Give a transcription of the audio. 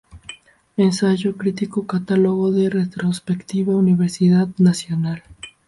Ensayo Crítico Catálogo de Retrospectiva Universidad Nacional.